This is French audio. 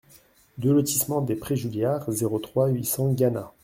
deux lotissement des Prés Juliards, zéro trois, huit cents Gannat